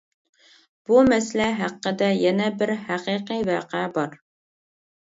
بۇ مەسىلە ھەققىدە يەنە بىر ھەقىقىي ۋەقە بار.